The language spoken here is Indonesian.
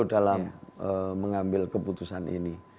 dalam mengambil keputusan ini